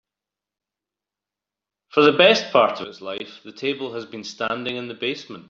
For the best part of its life, the table has been standing in the basement.